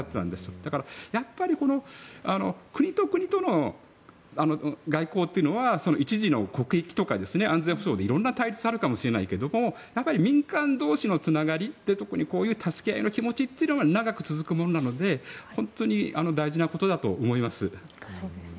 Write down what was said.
だからやっぱり国と国との外交というのは一時の国益とか安全保障で色んな対立があるかもしれないけど民間同士のつながりというところにこういう助け合いの気持ちというのが長く続くものなので本当に大事なことだと思います。